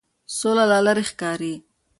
سوله لا لرې ښکاري.